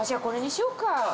これにしようか。